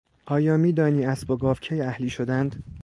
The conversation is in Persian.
آیا میدانی اسب و گاو کی اهلی شدند؟